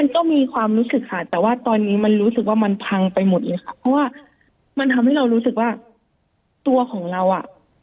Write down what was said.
ก็มีความรู้สึกค่ะแต่ว่าตอนนี้มันรู้สึกว่ามันพังไปหมดเลยค่ะเพราะว่ามันทำให้เรารู้สึกว่าตัวของเราอ่ะ